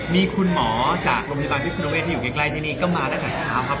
มีคุณหมอจากโรงพยาบาลพิศนุเวศที่อยู่ใกล้ที่นี่ก็มาตั้งแต่เช้าครับ